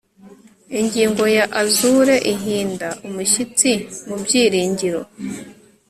Ingingo ya azure ihinda umushyitsi mubyiringiro